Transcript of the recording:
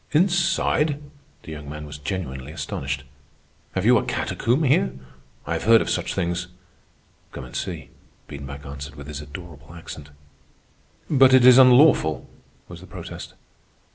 "Inside?" The young man was genuinely astonished. "Have you a catacomb here? I have heard of such things." "Come and see," Biedenbach answered with his adorable accent. "But it is unlawful," was the protest.